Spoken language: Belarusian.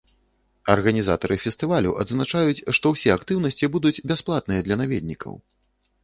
Арганізатары фестывалю адзначаюць, што ўсе актыўнасці будуць бясплатныя для наведнікаў.